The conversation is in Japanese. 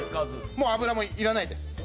もう油もいらないです。